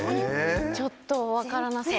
ちょっと分からなそう。